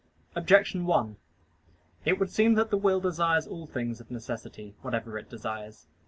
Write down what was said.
Objection 1: It would seem that the will desires all things of necessity, whatever it desires.